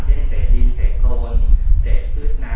เช่นเศษดินเศษโครนเศษพืชนา